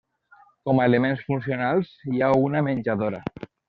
Com a elements funcionals hi ha una menjadora.